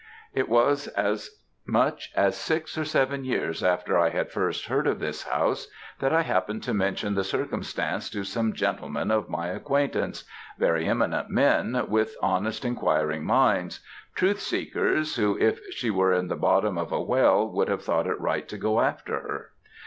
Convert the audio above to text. "It was as much as six or seven years after I had first heard of this house, that I happened to mention the circumstance to some gentlemen of my acquaintance very eminent men, with honest, inquiring minds; truth seekers, who, if she were in the bottom of a well, would have thought it right to go after her.